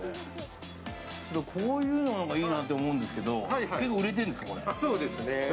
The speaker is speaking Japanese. こういうのがいいなって思うんですけど売れてるんですか？